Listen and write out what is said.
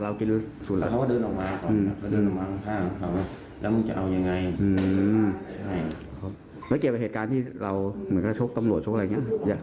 แล้วเกี่ยวกับเหตุการณ์ที่เราเหมือนกับชกตำรวจชกอะไรอย่างนี้